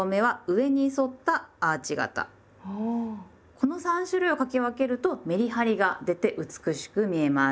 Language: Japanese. この３種類を書き分けるとメリハリが出て美しく見えます。